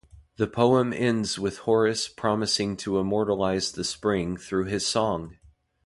The poem ends with Horace promising to immortalize the spring through his song.